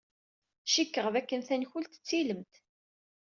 Ccikeɣ d aken tankult d tilemt.